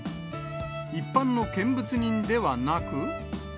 一般の見物人ではなく。